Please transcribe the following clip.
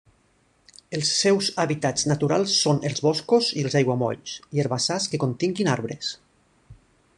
Els seus hàbitats naturals són els boscos i els aiguamolls i herbassars que continguin arbres.